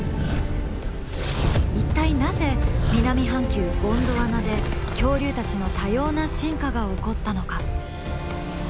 一体なぜ南半球ゴンドワナで恐竜たちの多様な進化が起こったのか？